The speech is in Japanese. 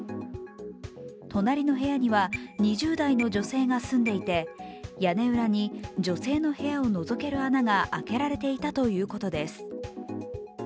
隣の部屋には、２０代の女性が住んでいて屋根裏に女性の部屋をのぞける穴が開けられていたということです。